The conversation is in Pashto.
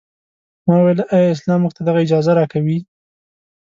ما وویل ایا اسلام موږ ته دغه اجازه راکوي.